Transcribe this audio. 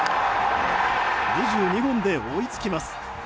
２２本で追いつきます。